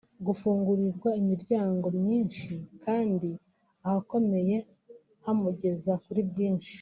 gufungurirwa imiryango myinshi kandi ahakomeye hamugeza kuri byinshi